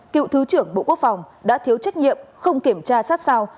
cựu thứ trưởng bộ quốc phòng đã thiếu trách nhiệm không kiểm tra sát sao